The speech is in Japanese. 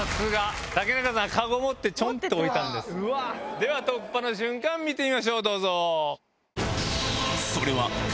さすが！では突破の瞬間見てみましょうどうぞ。